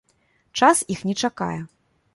Час іх не чакае.